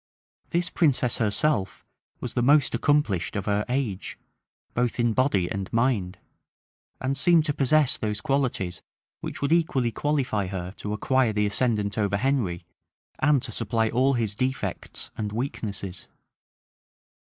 This princess herself was the most accomplished of her age, both in body and mind; and seemed to possess those qualities which would equally qualify her to acquire the ascendant over Henry, and to supply all his defects and weaknesses.